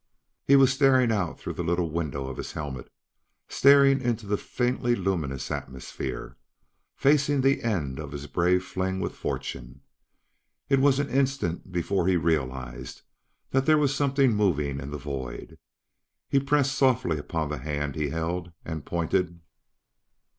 He was staring out through the little window of his helmet, staring into the faintly luminous atmosphere, facing the end of his brave fling with fortune. It was an instant before he realized that there was something moving in the void. He pressed softly upon the hand he held and pointed.